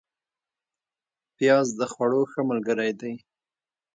پیاز د خوړو ښه ملګری دی